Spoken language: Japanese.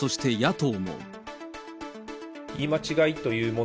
言い間違いというも